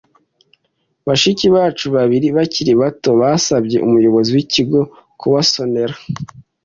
Bashiki bacu babiri bakiri bato basabye umuyobozi w ikigo kubasonera